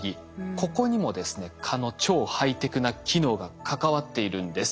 ここにもですね蚊の超ハイテクな機能が関わっているんです。